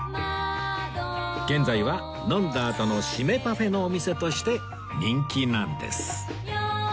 現在は飲んだあとの〆パフェのお店として人気なんです